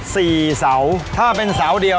เสาถ้าเป็นเสาเดียว